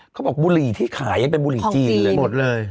เขาบอกบุหรี่ที่ขายยังเป็นบุหรี่จีนเลย